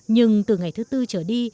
nhưng từ ngày thứ bốn trở đi